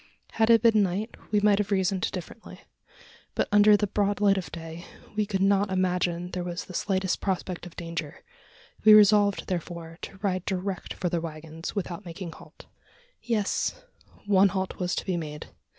Had it been night, we might have reasoned differently; but, under the broad light of day, we could not imagine there was the slightest prospect of danger. We resolved, therefore, to ride direct for the waggons, without making halt. Yes one halt was to be made.